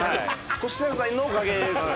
越中さんのおかげですね。